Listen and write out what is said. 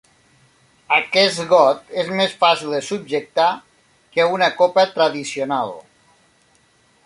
Aquest got és més fàcil de subjectar que una copa tradicional.